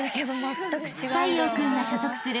［太陽君が所属する］